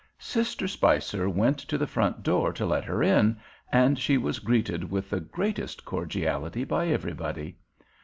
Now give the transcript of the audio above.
Sister Spicer went to the front door to let her in, and she was greeted with the greatest cordiality by everybody.